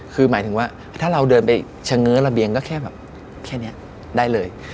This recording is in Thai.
คือหมายถึงว่าถ้าเราเดินไปเฉง้อระเบียงก็แค่แบบแค่นี้ได้เลย